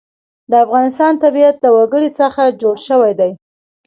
د افغانستان طبیعت له وګړي څخه جوړ شوی دی.